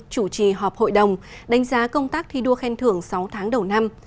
chủ trì họp hội đồng đánh giá công tác thi đua khen thưởng sáu tháng đầu năm